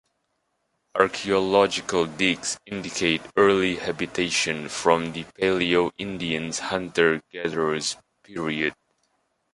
Archeological digs indicate early habitation from the Paleo-Indians Hunter-gatherers period.